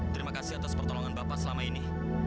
terima kasih atas pertolongan bapak selama ini